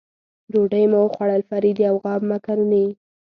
ډوډۍ مو وخوړل، فرید یو غاب مکروني.